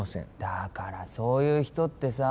だからそういう人ってさぁ。